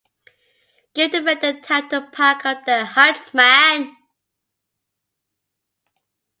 Give the men the time to pack up their huts, man!